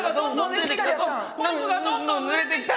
コルクがどんどんぬれてきた！